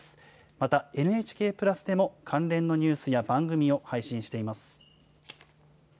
また、ＮＨＫプラスでも、関連のニュースや番組を配信しています。